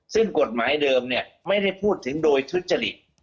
ซึ่งกฎหมายเดิมเนี่ยไม่ได้พูดถึงโดยทุจริต